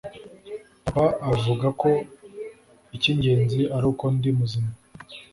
papa avuga ko icy'ingenzi ari uko ndi muzima